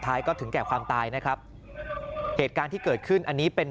ก็ถึงแก่ความตายนะครับเหตุการณ์ที่เกิดขึ้นอันนี้เป็น